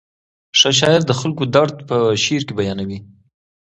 ښه شاعر د خلکو درد په شعر کې بیانوي.